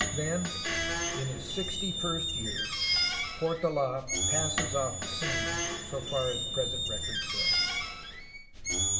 Then in his sixty first year, Portold passes off the scene, so far as present records go.